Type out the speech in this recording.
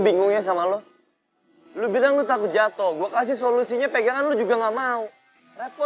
bingungnya sama lu lu bilang takut jatuh gua kasih solusinya pegangan juga enggak mau repot